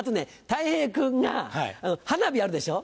たい平君が花火あるでしょ？